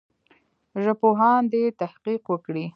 ژبپوهان دي تحقیق وکړي.